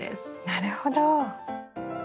なるほど。